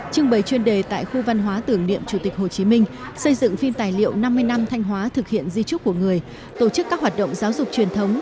trưng bày chuyên đề tại khu văn hóa tưởng niệm chủ tịch hồ chí minh xây dựng phim tài liệu năm mươi năm thanh hóa thực hiện di trúc của người tổ chức các hoạt động giáo dục truyền thống